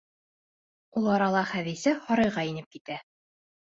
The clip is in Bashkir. Ул арала Хәҙисә һарайға инеп китә.